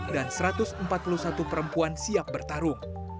dan satu ratus empat puluh satu perempuan siap bertarung